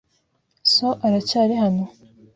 So aracyari hano ?